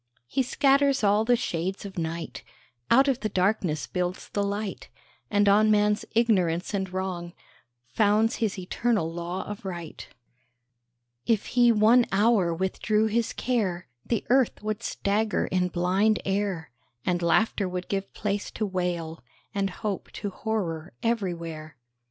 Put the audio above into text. He scatters all the shades of night, Out of the darkness builds the light, And on man's ignorance and wrong Founds his eternal law of right. If he one hour withdrew his care The Earth would stagger in blind air, And laughter would give place to wail, And hope to horror, everywhere.